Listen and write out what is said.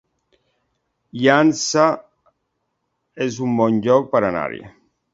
Llançà es un bon lloc per anar-hi